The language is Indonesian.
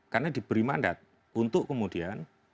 karena diberi mandat untuk kemudian